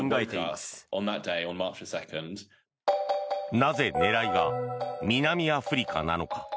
なぜ、狙いが南アフリカなのか。